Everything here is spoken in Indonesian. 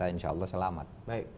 insya allah selamat